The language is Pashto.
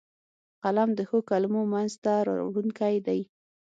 قلم د ښو کلمو منځ ته راوړونکی دی